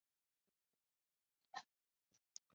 弗雷梅斯特罗。